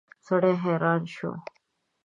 سړی حیران شو.